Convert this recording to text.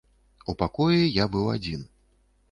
У пакоі я быў адзін.